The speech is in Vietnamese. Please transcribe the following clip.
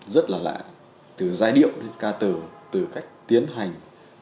rất là lạ từ giai điệu đến ca từ từ cách tiến hành